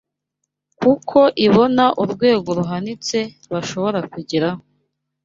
kuko ibona urwego ruhanitse bashobora kugeraho